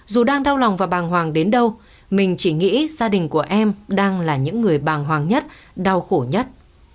dù đang đau lòng và bàng hoàng đến đâu mình chỉ nghĩ gia đình của em đang là những người bàng hoàng nhất đau khổ nhất